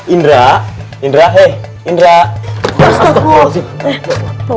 indra indra indra